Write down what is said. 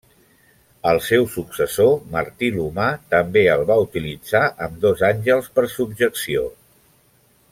El seu successor Martí l'Humà també el va utilitzar amb dos àngels per subjecció.